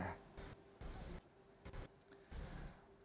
polda metro jaya menerima laporan terkait penyidik yang terjadi di mapolda metro jaya